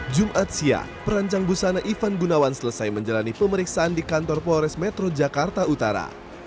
jumat siang perancang busana ivan gunawan selesai menjalani pemeriksaan di kantor polres metro jakarta utara